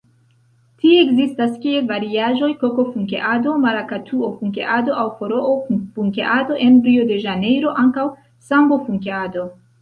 Tie ekzistas kiel variaĵoj "koko-funkeado", "marakatuo-funkeado" aŭ "foroo-funkeado", en Rio-de-Ĵanejro ankaŭ "sambo-funkeado".